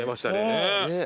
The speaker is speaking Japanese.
ねえ。